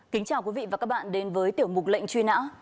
kính chào quý vị và các bạn đến với tiểu mục lệnh truy nã